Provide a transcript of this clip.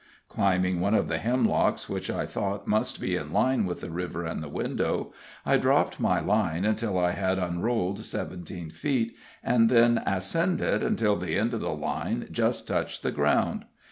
Climbing one of the hemlocks which I thought must be in line with the river and the window, I dropped my line until I had unrolled seventeen feet, and then ascended until the end of the line just touched the ground.